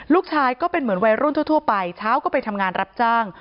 ก็เป็นเหมือนวัยรุ่นทั่วไปเช้าก็ไปทำงานรับจ้าง